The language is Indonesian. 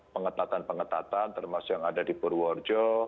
pengetatan pengetatan termasuk yang ada di purworejo